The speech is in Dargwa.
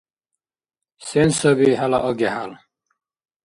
Сен саби хӀела аги-хӀял?